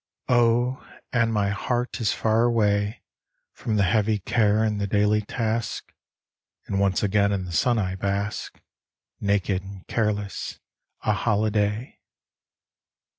Oh ! and my heart is far away From the heavy care and the daily task ; And once again in the sun I bask, Naked and careless, a holiday.